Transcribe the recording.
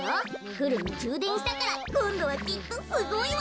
フルにじゅうでんしたからこんどはきっとすごいわ。